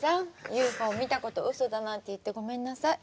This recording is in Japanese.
ＵＦＯ見たことうそだなんて言ってごめんなさい。